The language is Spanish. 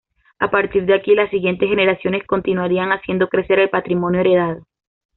A partir de aquí, las siguientes generaciones continuarían haciendo crecer el patrimonio heredado.